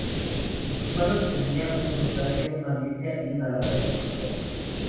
En sus manos tenía un rosario, una biblia y una lata de Coca-Cola.